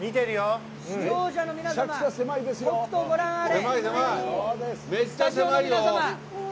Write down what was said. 視聴者の皆様、とくとご覧あれ！